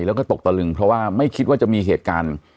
แล้วก็ตกตะลึงเพราะว่าไม่คิดว่าจะมีเหตุการณ์